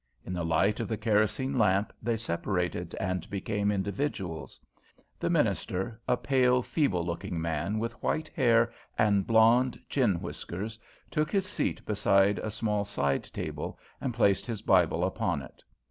In the light of the kerosene lamp they separated and became individuals. The minister, a pale, feeble looking man with white hair and blond chin whiskers, took his seat beside a small side table and placed his Bible upon it.